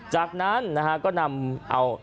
จากนั้นนะฮะก็นำเอา